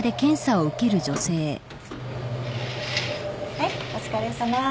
はいお疲れさま。